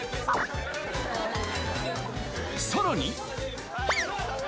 さらに。